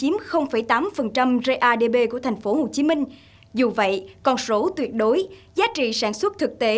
nông nghiệp chỉ chiếm tám radb của thành phố hồ chí minh dù vậy con số tuyệt đối giá trị sản xuất thực tế